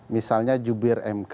misalnya jubir mk